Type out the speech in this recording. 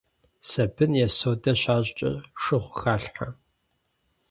Сабын е содэ щащӀкӀэ, шыгъу халъхьэ.